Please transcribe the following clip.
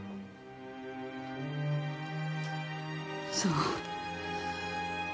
そう。